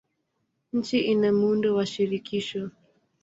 Nchi ina muundo wa shirikisho.